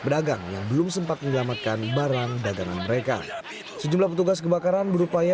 pedagang yang belum sempat menyelamatkan barang dagangan mereka sejumlah petugas kebakaran berupaya